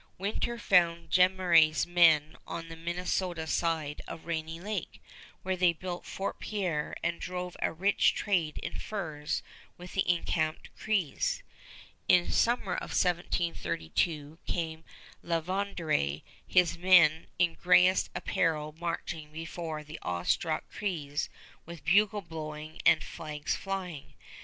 Winter found Jemmeraie's men on the Minnesota side of Rainy Lake, where they built Fort Pierre and drove a rich trade in furs with the encamped Crees. In summer of 1732 came La Vérendrye, his men in gayest apparel marching before the awe struck Crees with bugle blowing and flags flying.